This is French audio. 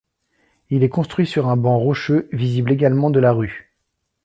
Il est construit sur un banc rocheux, visible également de la rue.